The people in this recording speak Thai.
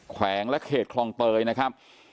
แขวงและเขตคลองเตยนะครับ